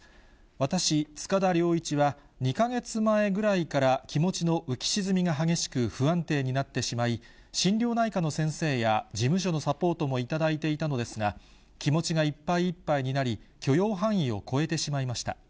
私、塚田僚一は、２か月前ぐらいから気持ちの浮き沈みが激しく不安定になってしまい、心療内科の先生や事務所のサポートもいただいていたのですが、気持ちがいっぱいいっぱいになり、許容範囲を超えてしまいました。